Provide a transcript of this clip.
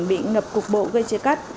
tỉnh bị ngập cục bộ gây chia cắt